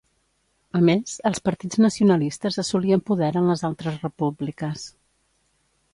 A més, els partits nacionalistes assolien poder en les altres repúbliques.